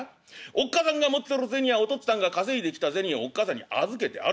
おっ母さんが持ってる銭はお父っつぁんが稼いできた銭をおっ母さんに預けてあるの。